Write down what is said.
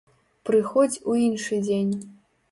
Прыходзь у іншы дзень!